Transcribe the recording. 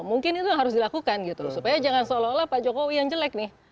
mungkin itu yang harus dilakukan gitu loh supaya jangan seolah olah pak jokowi yang jelek nih